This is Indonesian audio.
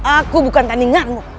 aku bukan tandinganmu